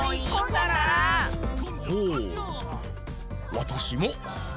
わたしも。